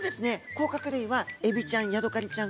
甲殻類はエビちゃんヤドカリちゃん